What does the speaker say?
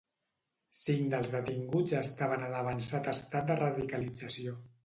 Cinc dels detinguts estaven en avançat estat de radicalització.